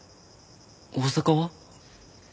大阪は？